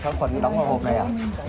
kháng khoản nó đóng vào hộp này à